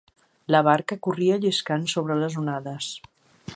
La barca corria lliscant sobre les onades.